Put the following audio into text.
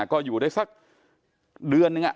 ก็อยู่ได้สักเดือนนึง